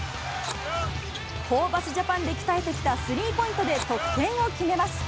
ホーバスジャパンで鍛えてきたスリーポイントで得点を決めます。